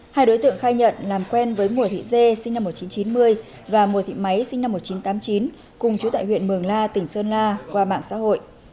hai đối tượng khai nhận làm quen với mùa thị dê sinh năm một nghìn chín trăm chín mươi và mùa thị máy sinh năm một nghìn chín trăm tám mươi chín cùng chú tại huyện mường la tỉnh sơn la qua mạng xã hội